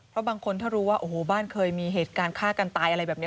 เพราะบางคนถ้ารู้ว่าโอ้โหบ้านเคยมีเหตุการณ์ฆ่ากันตายอะไรแบบนี้